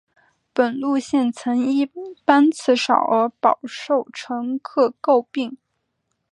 本路线曾因班次少而饱受乘客诟病。